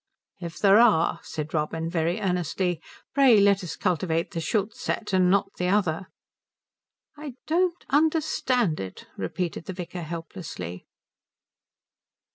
"If there are," said Robin very earnestly, "pray let us cultivate the Schultz set and not the other." "I don't understand it," repeated the vicar, helplessly.